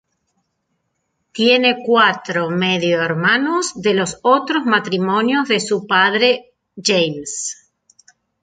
Tiene cuatro medio hermanos de los otros matrimonios de su padre James.